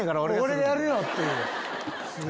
「俺がやるよ」っていう。